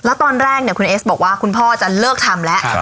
แล้วตอนแรกเนี่ยคุณเอสบอกว่าคุณพ่อจะเลิกทำแล้ว